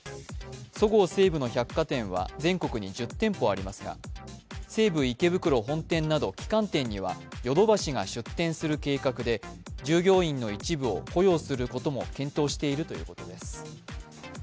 そごう・西武の百貨店は全国に１０店舗ありますが西武池袋本店などの旗艦店にはヨドバシが出店する計画で従業員の一部を雇用することも検討しているということです。